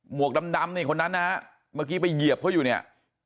วกดำนี่คนนั้นนะฮะเมื่อกี้ไปเหยียบเขาอยู่เนี่ย